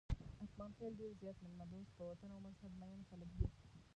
اتمانخېل ډېر زیات میلمه دوست، په وطن او مذهب مېین خلک دي.